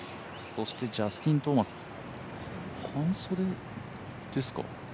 そしてジャスティン・トーマス、半袖ですか？